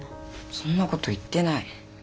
そんなこと言ってない。